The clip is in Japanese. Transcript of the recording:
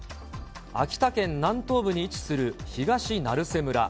秋田県南東部に位置する東成瀬村。